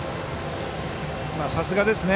さすがですね。